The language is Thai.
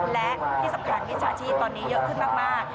และที่สำคัญมิจฉาชีพตอนนี้เยอะขึ้นมาก